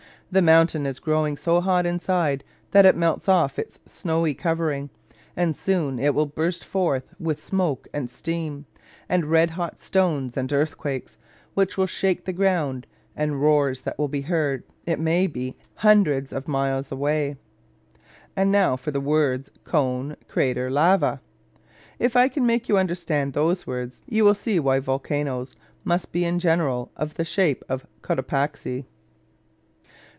The mountain is growing so hot inside that it melts off its snowy covering; and soon it will burst forth with smoke and steam, and red hot stones and earthquakes, which will shake the ground, and roars that will be heard, it may be, hundreds of miles away. And now for the words cone, crater, lava. If I can make you understand those words, you will see why volcanos must be in general of the shape of Cotopaxi.